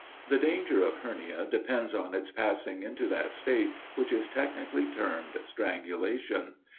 The danger of hernia depends on its passing into that state which is technically termed strangulation.